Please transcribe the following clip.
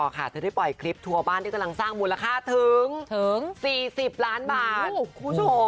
ถ้าได้ปล่อยคลิปทั่วบ้านที่ต้องสร้างมูลค่าถึง๔๐ล้านบาท